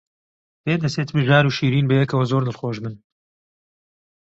پێدەچێت بژار و شیرین بەیەکەوە زۆر دڵخۆش بن.